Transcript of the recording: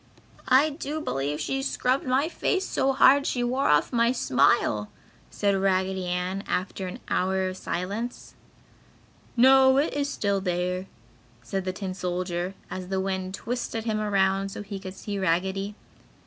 "I do believe she scrubbed my face so hard she wore off my smile!" said Raggedy Ann, after an hour of silence. "No, it is still there!" said the tin solder, as the wind twisted him around so he could see Raggedy.